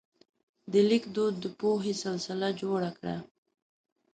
د لیک دود د پوهې سلسله جوړه کړه.